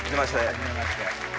はじめまして。